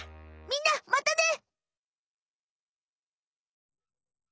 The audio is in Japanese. みんなまたね！